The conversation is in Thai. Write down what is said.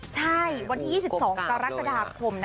ใช่วันที่๒๒กรกฎาคม